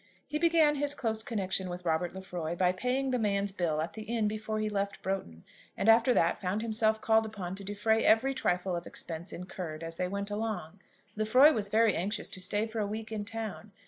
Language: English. He began his close connection with Robert Lefroy by paying the man's bill at the inn before he left Broughton, and after that found himself called upon to defray every trifle of expense incurred as they went along. Lefroy was very anxious to stay for a week in town.